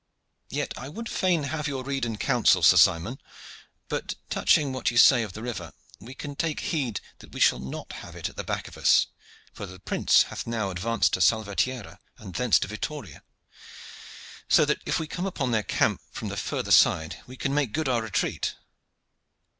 "Yet I would fain have your rede and counsel, Sir Simon. But, touching what you say of the river, we can take heed that we shall not have it at the back of us, for the prince hath now advanced to Salvatierra, and thence to Vittoria, so that if we come upon their camp from the further side we can make good our retreat."